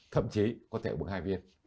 thậm chí có thể uống hai viên